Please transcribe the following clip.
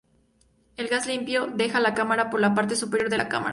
El gas "limpio" deja la cámara por la parte superior de la cámara.